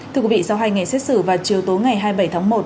thưa quý vị sau hai ngày xét xử vào chiều tối ngày hai mươi bảy tháng một